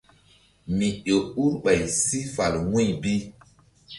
Mi ƴo ur ɓay si fal wu̧y bi.